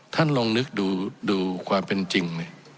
ท่านลองนึกดูความเป็นจริง